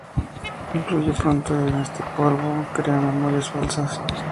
Concluye pronto que este polvo crea memorias falsas.